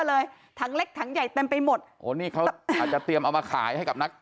เลยถังเล็กถังใหญ่เต็มไปหมดโอ้นี่เขาอาจจะเตรียมเอามาขายให้กับนัก